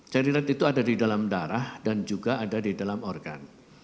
carrier itu ada di dalam darah dan juga ada di dalam organ